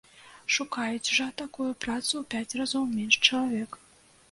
Шукаюць жа такую працу ў пяць разоў менш чалавек.